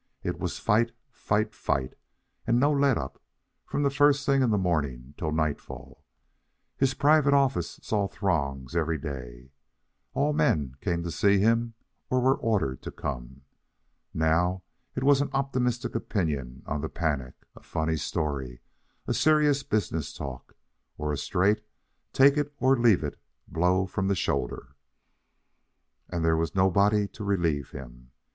It was fight, fight, fight, and no let up, from the first thing in the morning till nightfall. His private office saw throngs every day. All men came to see him, or were ordered to come. Now it was an optimistic opinion on the panic, a funny story, a serious business talk, or a straight take it or leave it blow from the shoulder. And there was nobody to relieve him.